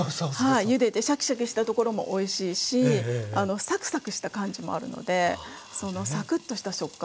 はいゆでてシャキシャキしたところもおいしいしサクサクした感じもあるのでそのサクッとした食感もいいですよね。